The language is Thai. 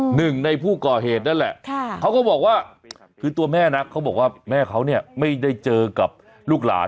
หนึ่งในผู้ก่อเหตุนั่นแหละเขาก็บอกว่าคือตัวแม่นะเขาบอกว่าแม่เขาเนี่ยไม่ได้เจอกับลูกหลาน